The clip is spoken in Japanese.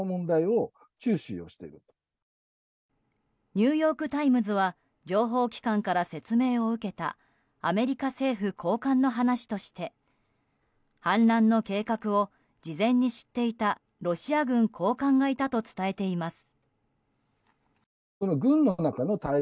ニューヨーク・タイムズは情報機関から説明を受けたアメリカ政府高官の話として反乱の計画を事前に知っていたロシア軍高官がいたと伝えています。